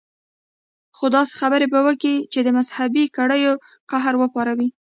خو داسې خبرې به وکي چې د مذهبي کړيو قهر وپاروي.